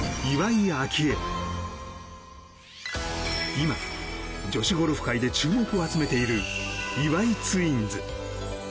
今、女子ゴルフ界で注目を集めている岩井ツインズ。